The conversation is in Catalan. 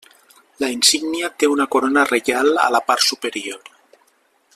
La insígnia té una corona reial a la part superior.